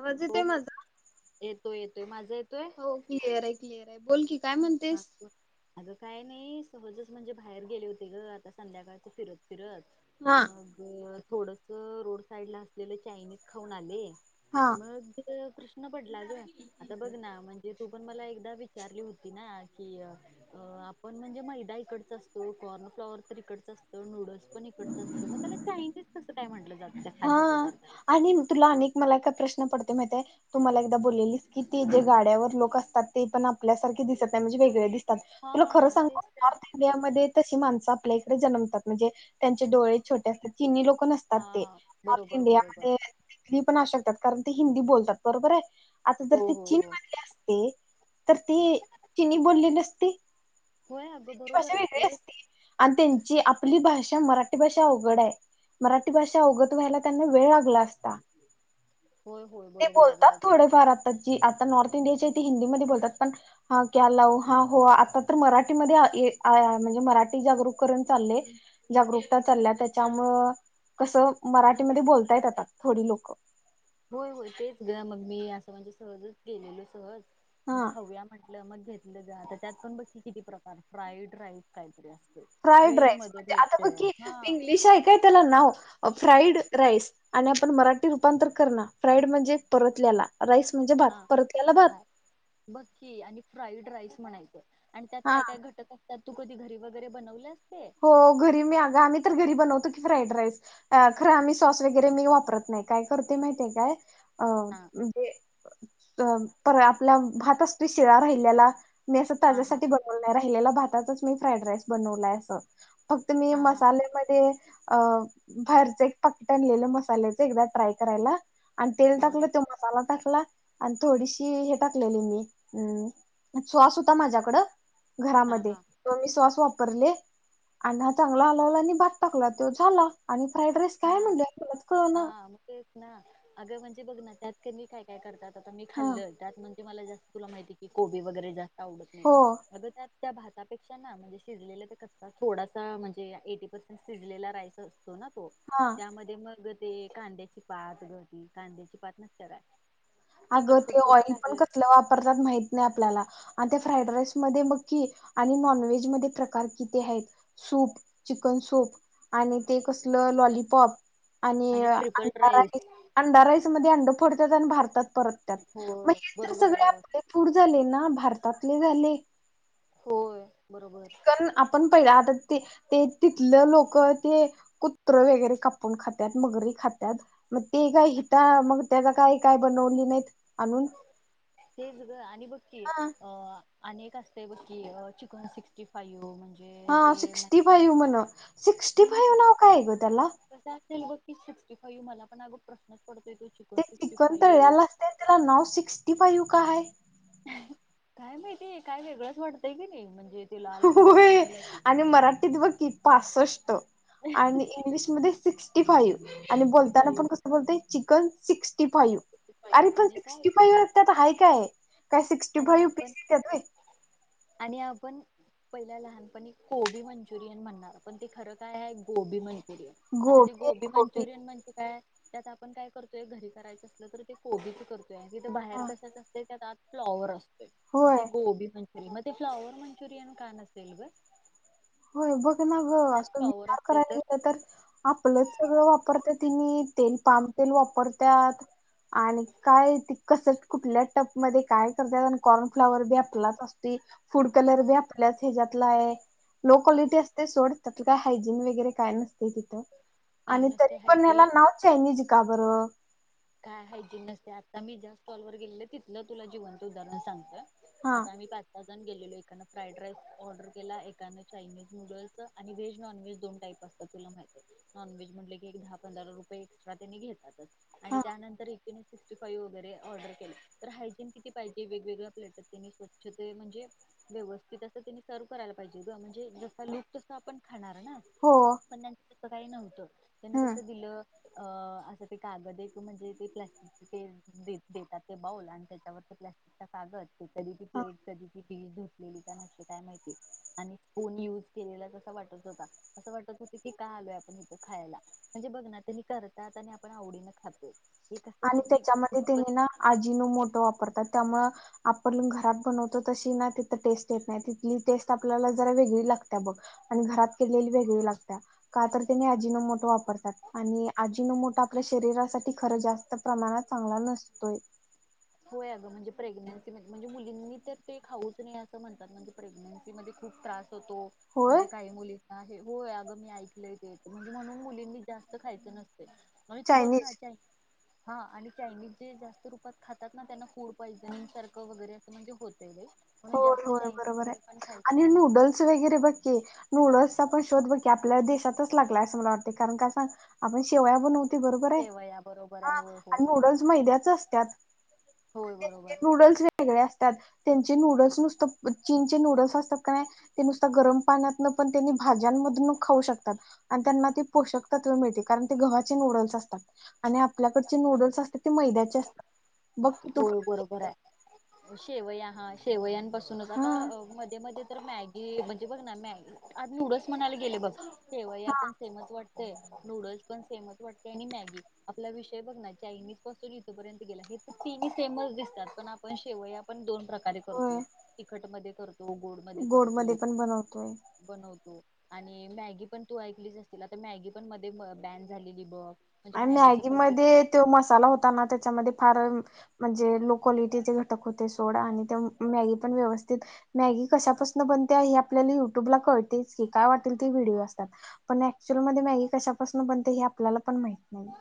आवाज येत माझा. ते माझे हो क्लिअर आहे क्लिअर आहे बोल की काय अ म्हणतेस? अगं काय नाही सहजच म्हणजे बाहेर गेले होते ग आता संध्याकाळच फिरत. फिर हा. मग थोडस रोड साईड ला असलेलं चायनीज खाऊन आले. हा मग कृष्ण पडला ग आता बघ ना म्हणजे तू पण मला एकदा विचारली होती. की आपण म्हणजे मैदा इकडच असतो कॉर्नफ्लॉवर तर इकडच असतो. ड पण इड असतग त्याला चायनीज कस काय म्हटलं जातं. त्या हा खाद्यपदार्थाला आणि तुला अनेक मला का प्रश्न पडतो. मा तुम्हाला एकदा बोललेली की ते जे गाड्यावर लोक असतात ते पण आपल्यासारखे दिसत नाही म्हणजे वेगळे दिसतात तुला खरं हा सांग तेच तर. नॉर्थ इंडिया मध्ये तशी माणसं आपल्याला जनमतात म्हणजे त्यांचे डोळे छोटे असतात चिन् लोक नसतात ते हा नॉर्थ बरोबर बरोबर इंडियामध्ये हिी पण अकतात कारण ते हिंदी बोलतात बरोबर आहे. आता जर हो ते हो चीन हो मधले असते तर ते चीनी बोललेली असते. होय अगं बरोबर भाषे आहे ते अस अ ी आपली भाषा मराठी भाषा अवघड आहे मराठी भाषा व्हायला त्यां वेळ लाला अस होय होय ते बरोबर आहे बरोबर आहे बोलतातथोडेफार आ आता नॉर्थ इंडियाची हिंदीमध्ये बोलतात पण ला हो आता तर मराठीमध्ये णजे मराठीरक चाल जारकता चालल्या त्याच्यामु कसं मराठीमध्ये बोलता येत आात थोडी लोकं. होय होय तेच ग मग मी असं म्हणजे सहजच गेलेलो सहज मग हा खव्या म्हटलं मग घेतलं जा तर त्यात पण बघकी किती प्रकार फ्राईड राईस काहीतरी असत. फ्राईड राईस म्हणजे आता बघ की इंग्लिश आहे काय त्याला नाव फ्राईड राईस आणि आपण मराठी रूपांतर कर ना फ्राईड म्हणजे परतल्याला राईस म्हणजे भात हा परत या्यायला भात. रास म्हय आणि त्यात हा काय काय घटक असतात तू कधी घरी वगरे बनवलंस. हो घरी मी आा आम्ही तर घरी बनवतो की फ्राईड राईस खरं आम्ही सॉस वगैरे मी वापरत नाही. नाही काय करते माहितीय काय? अ हा म्हणजे पर आपला भात असते शिळा राहिल्याला मी असं हा हा ताज्यासाठी बनवलंय राहिलेला भातच मी फ्राईड राईस बनवलाय असं. फक्त मी हा हा हा मसाल्यामध्ये अ भरच एक पकटनलेले मसाल्याच एकदा ट्राय करायला. आणि तेल टाकलं हा तो मसाला टाकला. ला आणि थोडीशी हे टाकलेली मी अम् श्वास होता माझ्याकडं. हा हा घरामध्ये हा त मी सॉस वापरले. अण्णा चांगला आलावला आणि भात टाकला तो झाला आणि फ्राईड राईस हा काय म्हणलं मलाच कळना हा मगच ना अगं म्हणजे बघ ना त्यात क काय काय करतात. आता मी हा खाल्लं त्यात म्हणजे मला जास्त तुला माहितीये की कोबी वगैरे जा आवडत नाही. हो अग त्यात त्या भा पेक्षा ना म्हणजे शिजलेला तर कच्चा थोडासा म्हणजे एटी पर्सेंट शिजलेला राईस असतो ना तो हा त्यामध्ये मग ते कांद्याची पात ग ती कांद्याची पात नसत्या काय अगं कटकट ते करून ऑइल पण टाकलंय कसलं वापरतात माहित नाही आपल्याला. आणि त्या फ्राईड राईसमध्ये बघ कि आणि नॉनव्हेजमध्ये प्रकार किती आहेत. सूप, चिकन सुप आणि ते कसल लॉलीपॉप आणि अंडा राईस, अंडा राईसमध्ये अंड फोडतात आणि भारतात त्यात हो मग हे तर बरोबर आहे सगळे बरोबर आपले फुड झाले ना भारतातले झाले. होय. बरोबर चिकन आपण पहिलं आता ते ते तिथलं लोक ते कुत्र वगैरे कापून खात्यात, मगरी खात्यात मग ते काय हित मग त्याचा काय काय बनवली नाहीत आणून तेच ग आणि बघ की हा अ अनेक असतंय बघ की, चिकन सिक्स्टी फाईव म्हणजे हा ते सिक्स्टी फईव मॅरिनेट वगैरे म्हन, सिक्स्टी फाईव नाव का हाय ग तेला? सिक्टी फाईव मला पण अग प्रश्नच पडतोय तो ते सिक्स्टी चिकन फाईव्ह तळलेल असतंय त्याला नाव सिक्स्टी फाईव्ह का हाय? काय माहितीय काय वेगळंच वाटतंय की नाही. म्हण होय आणि मराठीत बघ की पासष्ट आणि इंग्लिशमध्ये सिक्स्टी फाईव्ह आणि बोलताना पण फाईव्ह कस बोलतोय चिकन सिक्स टी फाईव अरे फाईव्ह पण आणि काय सिक्टी फाईव त्यात हाय काय? काय सिक्स्टी आणि फाय पीस आपण येत्यात व्हय? आणि आपण पहिल्या लहानपणी कोबी मंचुरियन म्हणणार, पण ते खरं काय आहे गोबी मंचु मंचुरियन आता ते गोबी मंचुरियन म्हणजे काय? त्यात आपण काय करतोय, घरी करायचं असलं तर ते कोबीच करतोय तिथे बाहेर हा कशाच असते त्यात आत फ्लॉवर असतोय. मग ते होय गोबी मंचुरियन मग ते फ्लॉवर मंचुरियन का नसेल गं? होय बघ ना ग असं विचार करायला गेलं तर आपलंच सगळं वापरत्यात तेनी तेल पाम तेल वापरतात. आणि काय ते कसं कुठल्या टपमध्ये काय करत्यात आणि कॉर्नफ्लाॅवर बी आपलाच असतोय. फूड कलर बी आपल्याच ह्याच्यातला हाय. लो क्वालिटी असते सोड, त्यातलं काय हायजीन वगैरे काय नसते तिथं. काय आणि नसते तरी पण ह्याला हायती नाव चायनीज का बर? काय हायजीन नसते आता मी ज्या स्टॉलवर गेलेले तिलं तुला जिवंत उदाहरण सांगतोय. हा आता आम्ही पाच पाच जण गेलेलो एकानं फ्राईड राईस ऑर्डर केला, एकानं चायनीज नूडल्स आणि व्हेज नॉन व्हेज दोन टाईप आता तुला माहित हाय. नाॅनव्हेज म्हटलं की दहा पंधरा रुपये एक्स्ट्रा तेनी घेतातच. आणि हा त्यानंतर हे तेनी सिक्स्टी फाईव वगैरे ऑर्डर केली. तर हायजीन किती पाहिजे वेगवेगळ्या प्लेटत तेनी स्वच्छ ते म्हणजे व व्यवस्थित असं तेनी सर्व करायला पाहिजे ग म्हणजे जस लुक तसं आप खाणार ना, हो पण त्याचं तसं काही नव्हतं. त्यांनी हम्म कसं दिलं अ असं ते कागद एक म्हणजे ते प्लास्टिकचे ते देतात ते बाऊल आणि त्याच्यावर ते प्लास्टिकचा कागद कधी ती प्लेट कधी ती धुतलेली की न्हवती काय माहिती आणि कोण युज केलेला अस वाटत होता, असं वाटत होत की का आलोय आपण इथं खायला. म्हणजे बघ ना त्यांनी करतात आणि आपण आवडीने खातोय. आणि त्याच्यामध्ये तेनी ना आजीनोमोटो वापरतात. त्यामुळे आपण घरात बनवतो तशी ना तिथं टेस्ट येत नाही. तिथली टेस्ट आपल्याला जरा वेगळी ला लागत्या बघ आणि घरात केलेली वेगळी लागत्या. का तर, तेनी अजिनोमोटो वापरतात. आणि आजीनोमोटो आपल्या शरीरासाठी खर जास्त प्रमाणात चांगला नसतोय. होय आगं म्हणजे प प्रेग्नेंसी म्हणजे मुलींनी तर ते खाऊच नाही असं म्हणतात म्हणजे प्रेग्नेंसी मध्ये खूप त्रास - - होतो. होय म्हणजे काही मुलींना. होय. अगं मी ऐकलंय ते म्हणून मुलींनी जास्त खायचं नसत. आणि तु बघ ना चायनीज हा आणि चायनीजे जास्त रूपात खा - - तात ना. त्यांना फूड पॉइझनिंग सारखं वगैरे असं म्हणजे होतयं ते. होय, होय, बरोबर हाय आणि नाही नूडल्स वगैरे बघकी नूडल्स- - पण शोध बघ की आपल्या देशातच लागला असं मला वाटतयं कारण का सांग आपण शेवया बनतव - - तो बरोबर हाय सेवया बरोबर हा आहे होय होय आणि होय नूडल्स मैद्याच असत्यात. होय बरोबर नूडल्स वेगळे असतात त्यां- - ते नूडल्स नुसतं चीनचे नूडल्स असत्यात कनी न नुसतं गरम पाण्यातणपण तेनि भाज्यांमधुन - - खाऊ शकतात आणि त्यांना ते पोषक तत्व मिळतयं कारण ते गव्हाचे नुडल्स असतात आणि आपल्या कडं चे नूडल्स असत्यात ते मैद्याचे असतात. बघ की तू होय बरोबर हाय शेवया - - हा शेवयापासूनच हा आता मध्ये मध्ये तर मॅगी म्हणजे बघ ना मॅग नूड- - म्हणा गेले बघ शेवया पण सेमच वाटतयं. नूडल्स पण सेमच वाटतयं आणि मॅगी आपला वि- - बघ ना चायनीज पासून इथपर्यंत गेला हे तर तिनी सेमचं दिसतात पण आपण शेवय पण दोन- - प्रकारे होय करतो तिखट म करतो. गोड मध्ये मध्ये करतो. पण बनवतोय. बनवतो. आणि मॅगी पण तू ऐकलीच असशील आता मॅगी पण मध्ये बॅन झालेली बघ. म्हणजे आणि मॅगीचं मॅगी पॅकेट मध्ये तो मसाला होताना त्याच्यामध्ये फार म्हणजे- - लो कॉलोटिचे घटक होते सोड आणि त्या मॅगीपण व्यवस्थित मॅगी कशा पासुन बनत्या हे आपल्याला युट्यूबला कळतयंचं - - कि काय वांटल ते व्हिडीओ असतात पण ॲक्च्युअल मॅगी कशापासून बनते हे आपल्याला पण माहित नाही.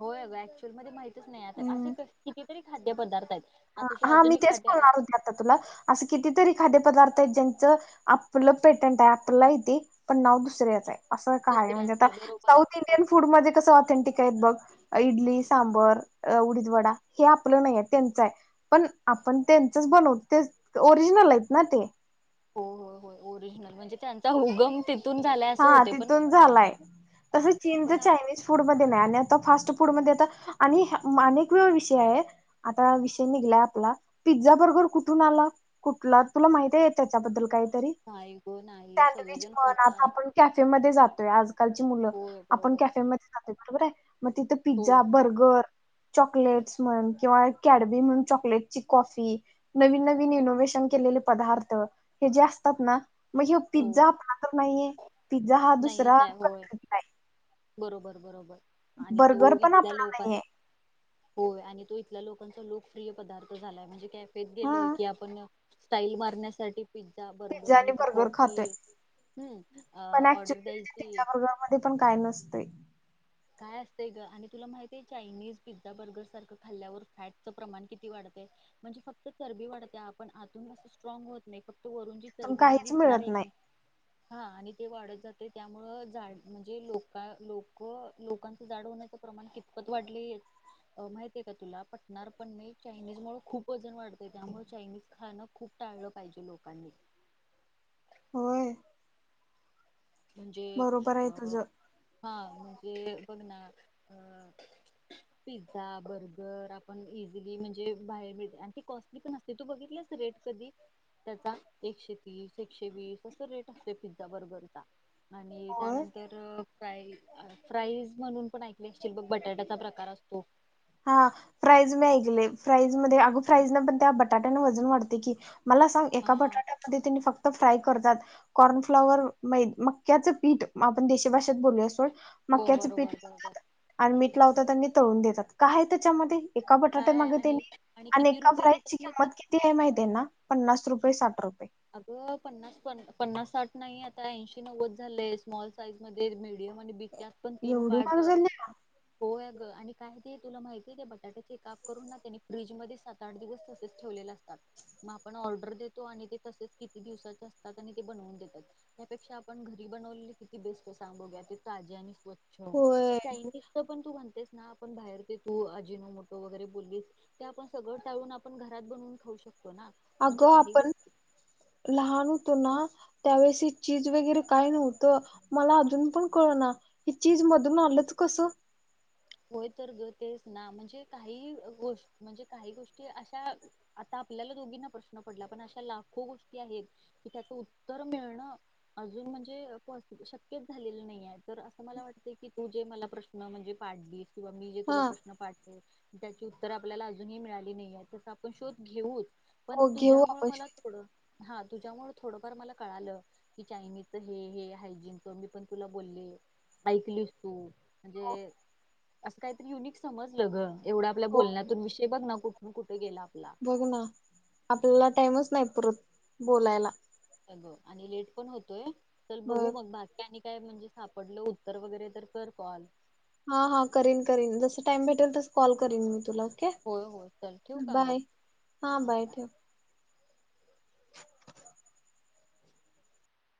होय अगं ऍक्च्युअल मंजे माहितच नाही. आता असे कसे किती? हां. मी तेच खाद्यपदार्थ बोलणार होते आता तुला. असं कितीतरी खाद्यपदार्थ ते ज्येंचं आपलं पेटंट आहे आपलं हाय ते पण नांव दुसऱ्याच हाय. असं काय म्हणजे दुसऱ्यांचा आता आहे बरोबर आहे साऊथ इंडियन फूड मध्ये कसं ऑथेंटिक आहेत बघ इडली सांबर. अ उडीद वडा. हे आपलं नाही त्येंच हाय. पण आपण त्येंचच बनव ओरिजनल आहेत ना ते.. हो, हो, होय. ओरिजनल म्हणजे त्यांचा उगम ति - - हा. तिथून झालाय. तस हा चीनचं पण आप- चायनीज फूड [unintelligible] फास् फूड मध्ये आता आणि अनेक वे विषय हाय आता विषय निघला आपला- - पिझ्झा, बर्गर कुठून आला? कुठला? तुला माहिती आहे त्याच्याबद्दल काय?.. नाही गं नाही. सगळेजण खातात. आता आपण कॅफे मध्ये जातोय. आजकालची मुलं होय आपण बरोबर कॅफेमध्ये जातोय, बरोबर हाय. मग तिथं पिझ्झा, होय बर्गर चॉकलेट् म्हण किंवा कॅडबी म्हण चॉकलेटची कॉफी नवीन नवीन इनोवेशन के- - लेले पदार्थ हे जे असतात ना.. मग ह्यो हो पिझ्झा आपलां तर नाही. पिझ्झा हा दुसरा नाहीच आहे होय [unintelligible] बरोबर बरोबर आणि बर्गर तो पण इथल्या आपला लोकां नाहीये होय. आणि तो इथल्या लोक - - लोकप्रिय पदार्थ झालाय म्हणजे, कॅफेत हा गेलोय की आपण स्टाईल मारण्यासाठी- - पि्झा, बर्गर पिझ्झा आणि ती बर्गर खातोय कॉफी हं ऑर- - [unintelligible] पिझ्झा, बर्गरमध्ये पण काय नसतयं. काय असतेंय ग आणि तुला माहिती हाय चायनीज पिझ्झा, बर्गरसारखं खाल्ल्यावर फॅटचं प्रमाण किती वाढतयं? म्हणजे फक्त चरबी वाढत्या आपण आतून असं स्ट्रॉंग होत नाही फक्त- - तो वरुणची तिथून चरबी ती काहीच दिसणार मिळत हैय नाही काय? हा आणि ते वाढत जाते त्यामुळं झाड म्हणजे लोक लोक- लोकांचं जाड होण्याचं प्रमाण कितपत वाढलेयं. माहितय का तुला पटणार पण मी चायनीज मु खूप वजन वाढतय त्यामुळे चायनीज खाणं खूप टाळलं पाहिजे लोकांनी. होय. म्हणजे बरोबर अ आहे तुझं हा म्हणजे बघ ना अ.. पिझ्झा बर्गर आपण इझिली म्हणजे बाहेर मिळते आणि ती कॉस्टली पण असते तू बघितलंस? कधी त्या एकशे तीस एकशे वीस अस रेट असते पिझझा बर्गर.. आणि होय त्यानंतर.. फ्राई, फ्राईज म्हणून पण ऐकले असचिल बघ बटाट्याचा प्रकार असतो. हा, फ्राईज मी ऐकले. फ्राईज मध्ये अग फ्राईज न पण त्या बटाट्याने वजन वाढतंय की. मला सांग एका हा बटाट्यामध्ये तेनी फक्त फ्राय करतात कॉर्नफ्लॉवर मै म मक्याचे पीठ, आपण देश भाषेत बोलूया सोड. हो मक्याच पीठ बरोबर बरोबर लावतात आणि मीठ लावतात त्यां तळून देतात काय त्याच्यामध्ये? एका बटाटे काय मागे आणि त्यांनी आणि किती एका रुपये फ्राई ची घेतात नाही ते किंमत किती आहे माहितीये ना पन्नास रुपये - साठ रुपये. अगं पन्नास, पन्नास-साठ नाही आता ऐंशी-नव्वद झालंय स्मॉल साईज मध्ये मि म्हणजे ब त्यात पण तीन एवढी पार्ट. महाग झाली होय ग. आणि काय ते तुला माहिती आहे ते बटाट्याचे काप करून ना तेनी फ्रीजमध्ये सात आठ दिवस तसंच ठेवलेले असतात, मग आपण ऑर्डर देतो आणि किती दिवसाच्या असतात आणि ते बनवून देतात, त्यापेक्षा पण घरी बनवलेले किती बेस्ट सांग बघूया. ताजे आणि स्वच्छ होय चायनीज च पण तू म्हणतेस ना आपण बाहेर ते तू अजिनोमोटो वगैरे बोलली ते आपण सगळं टाळून आपण घरात बनवून खाऊ शकतो. ना. अग म्हणजे काही आपण गोष्टी लहान ना त्यावेळेस ही चीज वगैरे काय नव्हतं, मला अजून पण कळना चीज मधून आलं त कसं? ह. होय तर ग, तेच ना! म्हणजे काही गोष्ट म्हणजे काही गोष्टी अशा आ आपल्याला दोघीना प्रश्न पडला पण अशा लाखो गोष्टी आहेत की त्याच उत्तर मिळणं अजून म्हणजे पस शक्यच झालेलं नाही आहे तर असं मला वाटत की तू जे मला प्रश्न म्हणजे पाडलीस किंवा मी जे तुला हा प्रश्न पाडतो ज्याची उत्तर आपल्याला अजूनही मिळाली नाही आहे तेचा आपण शोध घेऊच पण हो घेऊ तुझ्यामुळे आपण मला थोडं हा, तुझ्यामुळे थोडंफार मला कळालं की चायनीज च हे हायजीन च मी पण तुला बोलले ऐकलीस तू, शकतो म्हणजे असं काहीतरी युनिक समजलं ग एवढा आपल्या हो बोलण्यातून विषय बघ ना कुठून कुठं बघ ना, आपल्याला टाइमच नाही पुरत बोलायला. आणि लेट पण होतोय. चल बर बघू मग, बाकी? काय म्हणजे सापडलं उत्तर वगैरे तर कर कॉल. हा! हा! करीन करीन जस टाइम भेटेल तस कॉल करीन मी तुला. होय होय चल ठेवू ओ का मग बाय. हा! बाय ठेव. [unintelligible]